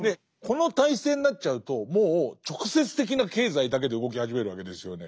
この体制になっちゃうともう直接的な経済だけで動き始めるわけですよね。